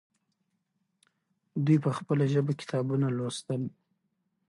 دوی په خپله ژبه کتابونه لوستل.